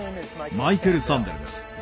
マイケル・サンデルです。